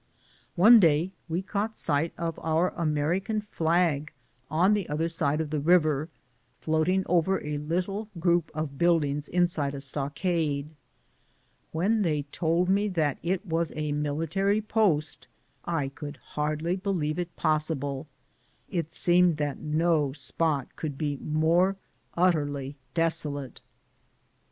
One day we caught sight of our American flag on the other side of the river, floating over a little group of buildings inside a stockade. When they told me that it was a military post, I could hardly believe it possible ; it seemed that no spot could be more utterly desolate.